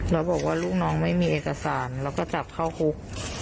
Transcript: แล้วบอกว่าลูกน้องไม่มีเอกสารแล้วก็จับเข้าคุก